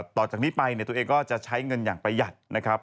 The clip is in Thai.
ต่อจากนี้ไปตัวเองก็จะใช้เงินอย่างประหยัดนะครับ